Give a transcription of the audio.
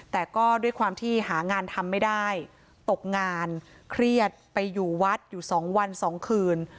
แต่ก็ด้วยความที่หางานทำไม่ได้ตกงานเครียดไปอยู่วัดอยู่๒วัน๒คืน